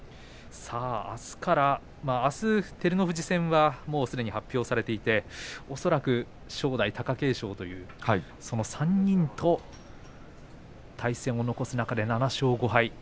あす照ノ富士戦はすでに発表されていて恐らく正代、貴景勝というその３人と対戦を残す中で７勝５敗。